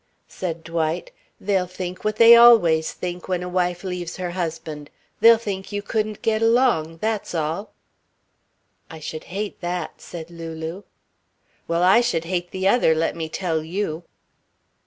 Said Dwight: "They'll think what they always think when a wife leaves her husband. They'll think you couldn't get along. That's all." "I should hate that," said Lulu. "Well, I should hate the other, let me tell you."